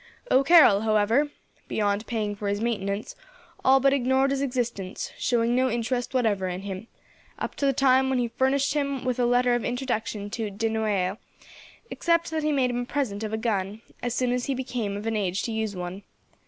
O'Carroll, however, beyond paying for his maintenance, all but ignored his existence, showing no interest whatever in him, up to the time when he furnished him with a letter of introduction to de Noailles, except that he made him a present of a gun, as soon as he became of an age to use one.